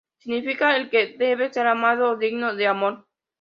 Significa 'el que debe ser amado' o 'digno de amor'.